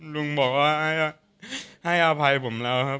ลุงบอกว่าให้อภัยผมแล้วครับ